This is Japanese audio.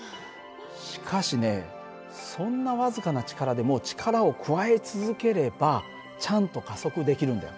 しかしねそんな僅かな力でも力を加え続ければちゃんと加速できるんだよ。